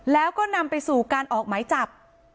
แล้วก็นำไปสู่การออกหมายจับ